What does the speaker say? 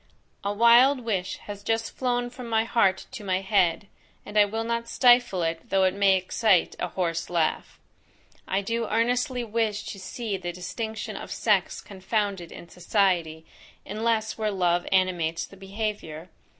A wild wish has just flown from my heart to my head, and I will not stifle it though it may excite a horse laugh. I do earnestly wish to see the distinction of sex confounded in society, unless where love animates the behaviour.